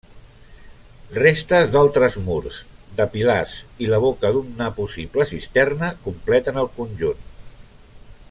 Restes d'altres murs, de pilars i la boca d'una possible cisterna completen el conjunt.